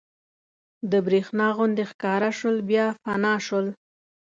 د برېښنا غوندې ښکاره شول بیا فنا شول.